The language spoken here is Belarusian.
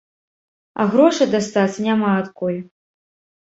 А грошай дастаць няма адкуль.